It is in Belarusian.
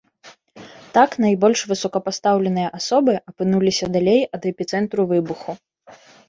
Так найбольш высокапастаўленыя асобы апынуліся далей ад эпіцэнтру выбуху.